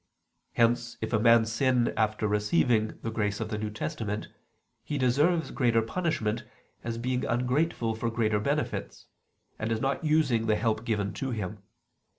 Hence if a man sin after receiving the grace of the New Testament, he deserves greater punishment, as being ungrateful for greater benefits, and as not using the help given to him.